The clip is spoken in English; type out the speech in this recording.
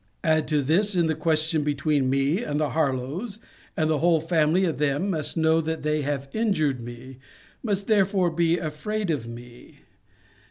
Add to this, in the question between me and the Harlowes, that the whole family of them must know that they have injured me must therefore be afraid of me.